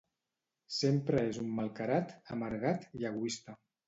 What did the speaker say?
Sempre és un malcarat, amargat i egoista.